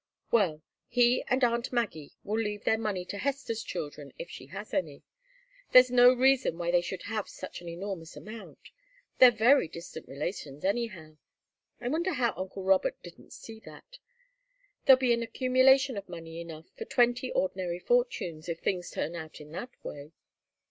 Well he and aunt Maggie will leave their money to Hester's children, if she has any. There's no reason why they should have such an enormous amount. They're very distant relations, anyhow. I wonder how uncle Robert didn't see that. There'll be an accumulation of money enough for twenty ordinary fortunes, if things turn out in that way."